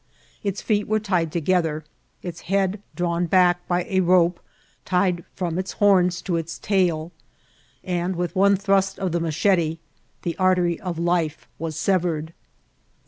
Its feet M INCIDENTS OP TRilTBL. were tied together, its head drawn back by a rope tied from its horns to its tail, and with one thrust of the ma chete the artery of life was severed.